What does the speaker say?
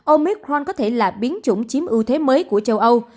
omicron có thể là biến chủng chiếm ưu thế mới của châu âu